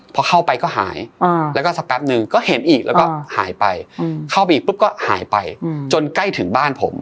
พอเข้าไปก็หายแล้วก็สักแป๊บนึงก็เห็นอีกแล้วก็หายไปเข้าไปอีกปุ๊บก็หายไปจนใกล้ถึงบ้านผม